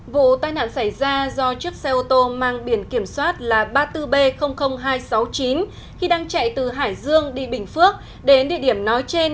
vụ tai nạn xảy ra do chiếc xe ô tô mang biển kiểm soát là ba mươi bốn b hai trăm sáu mươi chín khi đang chạy từ hải dương đi bình phước đến địa điểm nói trên